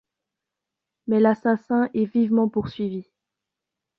Mais l’assassin est vivement poursuivi.